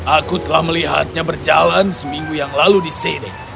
aku telah melihatnya berjalan seminggu yang lalu di sini